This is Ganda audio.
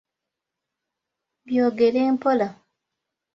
Byogere mpola!